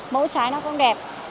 mỗi trái nó cũng đẹp